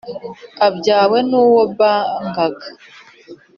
abyawe n`uwo bangaga